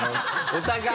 お互い。